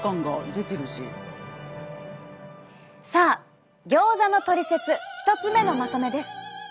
さあギョーザのトリセツ１つ目のまとめです。